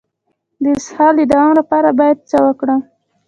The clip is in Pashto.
د اسهال د دوام لپاره باید څه وکړم؟